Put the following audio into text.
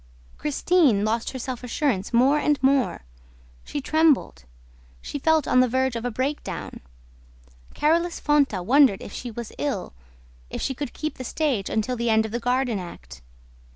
Christine lost her self assurance more and more. She trembled. She felt on the verge of a breakdown ... Carolus Fonta wondered if she was ill, if she could keep the stage until the end of the Garden Act.